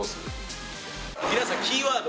皆さんキーワード